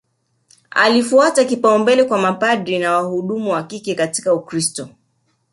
Alifuta kipaumbele kwa mapadri na wahudumu wa kike katika Ukristo